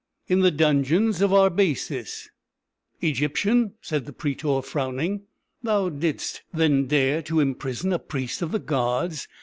"In the dungeons of Arbaces." "Egyptian," said the prætor, frowning, "thou didst, then, dare to imprison a priest of the gods and wherefore?"